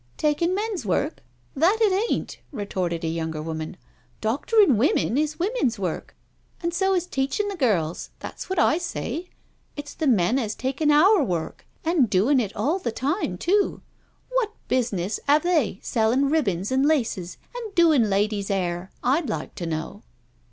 '•Takin' men's work? That it ain't," retorted a younger woman. " Doctorin' women is women's work, and so is teaching the girls — ^that's what I say. It's the men 'as taken our work, and doin' it all the time tool What business 'ave they sellin' ribbons and laces and doin' ladies' 'air, I'd like to know?"